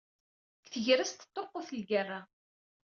Deg tegrest teṭṭuqqut lgerra.